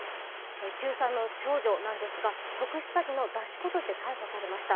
中３の少女なんですが特殊詐欺の出し子として逮捕されました。